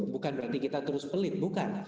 bukan berarti kita terus pelit bukan